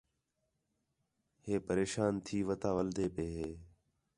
ہے پریشان تی وتا ولدے پئے ہِے